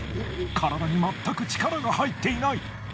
体にまったく力が入っていない。